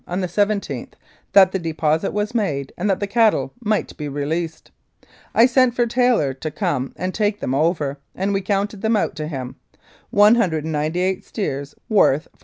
on the iyth that the deposit was made and that the cattle might be released. I sent for Taylor to come and take them over, and we counted them out to him : 198 steers, worth $42.